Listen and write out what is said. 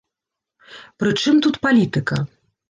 Пры чым тут палітыка!